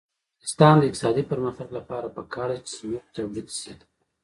د افغانستان د اقتصادي پرمختګ لپاره پکار ده چې سمنټ تولید شي.